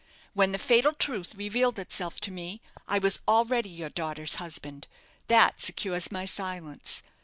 When the fatal truth revealed itself to me I was already your daughter's husband. That secures my silence.